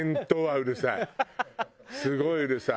すごいうるさい。